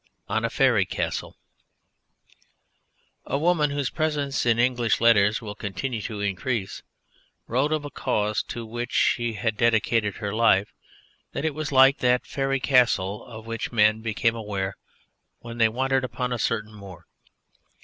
ON A FAERY CASTLE A woman whose presence in English letters will continue to increase wrote of a cause to which she had dedicated her life that it was like that Faery Castle of which men became aware when they wandered upon a certain moor.